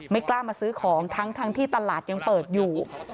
ไม่กล้ามาซื้อของทั้งที่ตลาดยังเปิดอยู่